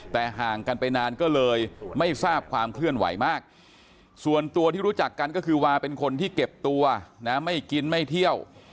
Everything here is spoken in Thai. แต่ห่างกันไปนานก็เลยไม่ทราบความเคลื่อนไหวมากส่วนตัวที่รู้จักกันก็คือวาเป็นคนที่เก็บตัวนะไม่กินไม่เที่ยว